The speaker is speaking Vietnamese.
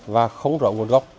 và không rõ nguồn gốc